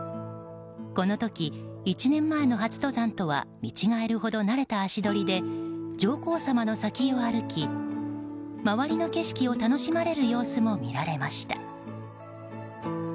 この時、１年前の初登山とは見違えるほど慣れた足取りで上皇さまの先を歩き周りの景色を楽しまれる様子も見られました。